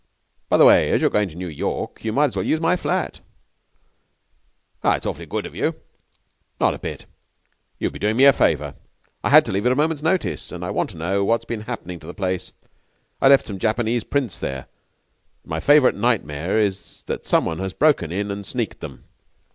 By the way, as you're going to New York you might as well use my flat.' 'It's awfully good of you.' 'Not a bit. You would be doing me a favour. I had to leave at a moment's notice, and I want to know what's been happening to the place. I left some Japanese prints there, and my favourite nightmare is that someone has broken in and sneaked them.